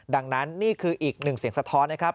ดังนั้นนี่คืออีกหนึ่งเสียงสะท้อนนะครับ